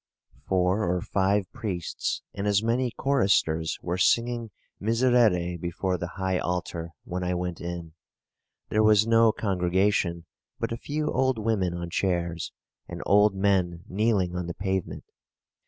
Four or five priests and as many choristers were singing Miserere before the high altar when I went in. There was no congregation but a few old women on chairs and old men kneeling on the pavement.